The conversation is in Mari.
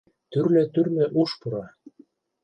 Тӱрлӧ-тӱрлӧ уш пура...